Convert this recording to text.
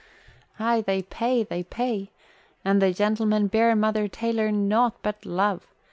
"Aye, they pay, they pay. And the gentlemen bear Mother Taylor nought but love.